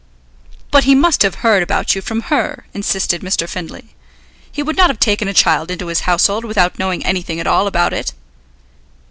"But he must have heard about you from her," insisted Mr. Findlay. "He would not have taken a child into his household without knowing anything at all about it."